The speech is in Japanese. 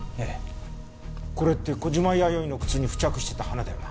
これって小島弥生の靴に付着してた花だよな？